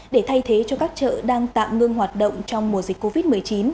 để thay thế cho các chợ đang tạm ngưng hoạt động trong mùa dịch covid một mươi chín